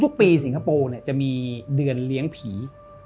ทุกปีสิงคโปร์จะมีเดือนเลี้ยงผี